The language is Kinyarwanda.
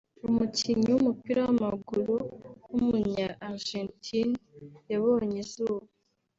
umukinnyi w’umupira w’amaguru w’umunya Argentine yabonye izuba